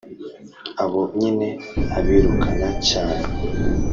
Abo nyine abirukana cyane,